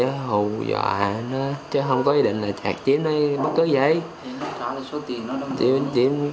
nó hù dọa nó chứ không có ý định là chạc chiếm hay bất cứ gì